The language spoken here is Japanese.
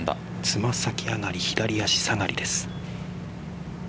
爪先上がり、左足下がりです。